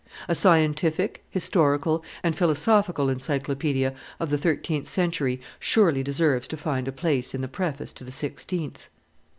A scientific, historical, and philosophical encyclopaedia of the thirteenth century surely deserves to find a place in the preface to the sixteenth.